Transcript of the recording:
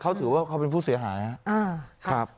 เขาถือว่าเขาเป็นผู้เสียหายครับ